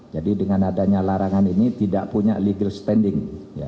jadi dengan adanya larangan ini tidak punya legal standing